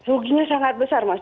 ruginya sangat besar mas